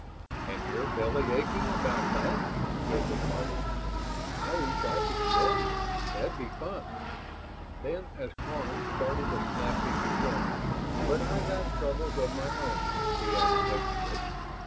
"And you're bellyaching about that?" Hilton marveled. "I wish I could join you. That'd be fun." Then, as Karns started a snappy rejoinder "But I got troubles of my own," he added hastily.